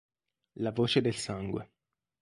La voce del sangue